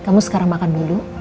kamu sekarang makan dulu